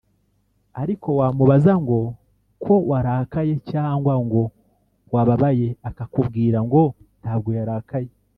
ariko wamubaza ngo ko warakaye cyangwa ngo ko wababaye akakubwira ngo ntabwo yarakaye